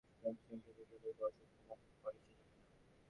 কপালগুণে কোনোক্রমে একটা প্রেসক্রিপশন পেয়ে গেলেও ওষুধ কেনার পয়সা জোটে না।